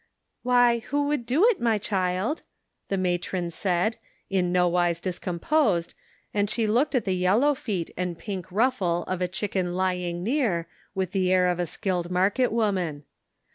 "Why, who would do it, my child?" the matron said, in nowise discomposed, and she looked at the yellow feet and pink ruffle of a chicken lying near, with the air of a skilled market woman.